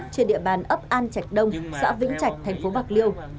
trên địa bàn ấp an trạch đông xã vĩnh trạch thành phố bạc liêu